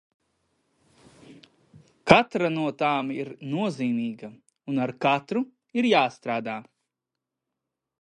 Katra no tām ir nozīmīga, un ar katru ir jāstrādā.